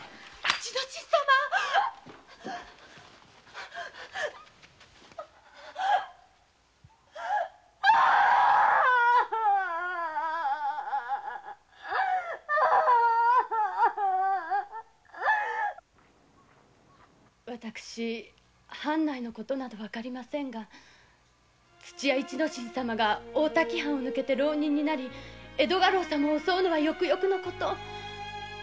市之進様私藩内のことなどわかりませんが土屋市之進様が大滝藩を抜けて浪人になり江戸家老様を襲うのはよくよくのこと。